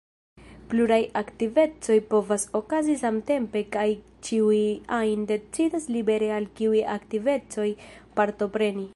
Pluraj aktivecoj povas okazi samtempe kaj ĉiu ajn decidas libere al kiuj aktivecoj partopreni.